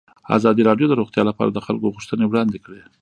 ازادي راډیو د روغتیا لپاره د خلکو غوښتنې وړاندې کړي.